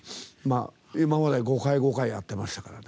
今まで５回、５回やってましたからね。